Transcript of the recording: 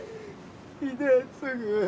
秀次。